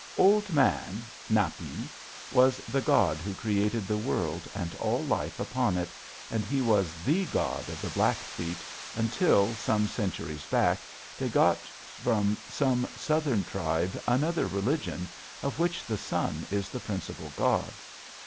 Old Man (Näp´ i) was the god who created the world, and all life upon it, and he was the god of the Blackfeet until, some centuries back, they got from some southern tribe another religion, of which the sun is the principal god.